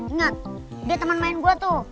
ingat dia teman main gue tuh